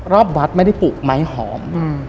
รอบวัดไม่ได้ปลูกไม้หอม